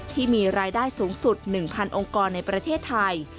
ที่มีรายได้สูงสุด๑๐๐องค์กรในประเทศไทย